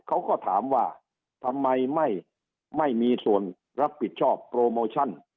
เขาก็ถามว่าทำไมไม่มีส่วนรับผิดชอบโปรโมชั่น